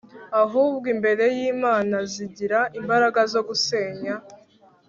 ahubwo imbere y Imana zigira imbaraga zo gusenya